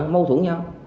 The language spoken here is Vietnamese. mâu thuẫn nhau